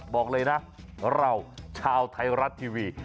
บอกเลยนะเราชาวไทยรัฐทีวี